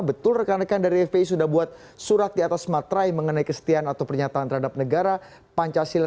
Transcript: betul rekan rekan dari fpi sudah buat surat di atas matrai mengenai kestian atau pernyataan terhadap negara pancasila